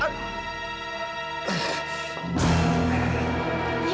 hidup ini jadi medievalnya prajurit kampus itu